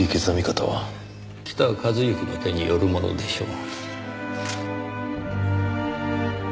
北一幸の手によるものでしょう。